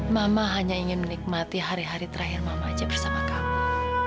mama hanya ingin menikmati hari hari terakhir mama aceh bersama kamu